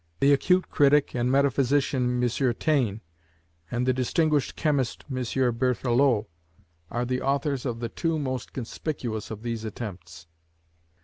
The acute critic and metaphysician M. Taine, and the distinguished chemist M. Berthelot, are the authors of the two most conspicuous of these attempts.